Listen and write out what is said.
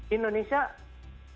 indonesia adalah pemberi kerja